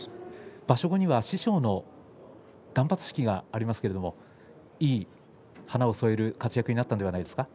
場所後には師匠の断髪式がありますけれどいい花を添える活躍になったのではないですか。